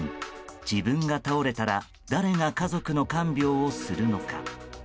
自分が倒れたら誰が家族の看病をするのか。